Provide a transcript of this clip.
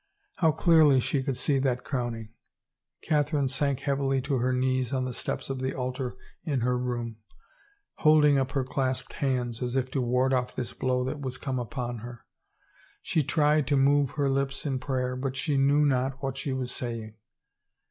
How clearly she could see that crowning. ... Catherine sank heavily to her knees on the steps of the altar in her room, holding up her clasped hands as if to ward off this blow that was comt upon her. She tried to move her lips in prayer but she knew not what she was saying.